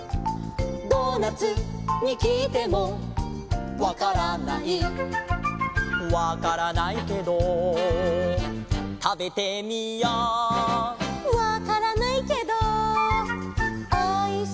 「ドーナツにきいてもわからない」「わからないけどたべてみよう」「わからないけどおいしいね」